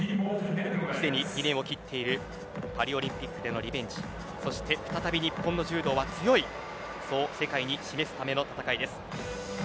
すでに２年を切っているパリオリンピックでのリベンジそして再び日本の柔道は強いそれを世界に示すための戦いです。